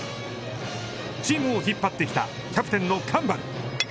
チームを引っ張ってきたキャプテンの上原。